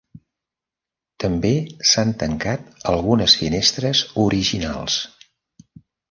També s'han tancat algunes finestres originals.